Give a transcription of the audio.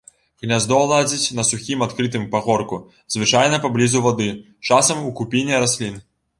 Гняздо ладзіць на сухім адкрытым пагорку, звычайна паблізу вады, часам у купіне раслін.